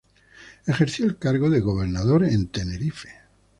Ejerció el cargo de gobernador en Tenerife.